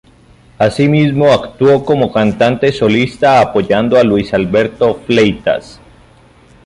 Asimismo actuó como cantante solista apoyando a Luis Alberto Fleitas..